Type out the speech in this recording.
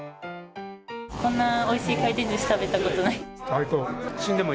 こんなおいしい回転ずし食べたことない。